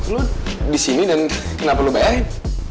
lo disini dan kenapa lo bayarin